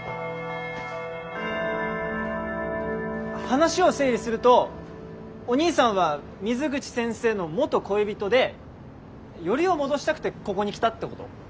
話を整理するとおにいさんは水口先生の元恋人でよりを戻したくてここに来たってこと？